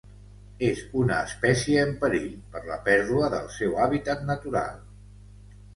És una espècie en perill per la pèrdua del seu hàbitat natural.